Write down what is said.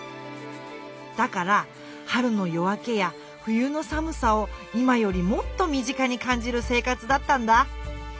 だから春の夜明けや冬の寒さを今よりもっとみ近にかんじる生活だったんだ。